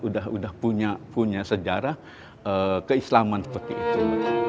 udah punya sejarah keislaman seperti itu